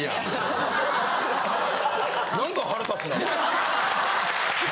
何か腹立つな。